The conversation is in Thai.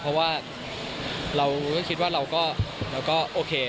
เพราะว่าเราก็คิดว่าเราก็โอเค